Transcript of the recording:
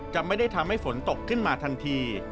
จะไม่ได้ทำให้ฝนตกขึ้นมาทันที